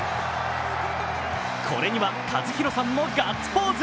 これには和博さんもガッツポーズ。